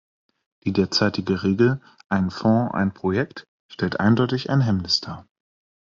Die derzeitige Regel "ein Fonds, ein Projekt" stellt eindeutig ein Hemmnis dar.